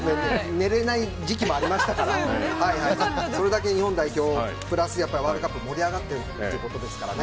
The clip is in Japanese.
寝られない時期もありましたからそれだけ日本代表プラスワールドカップ盛り上がっているということですからね。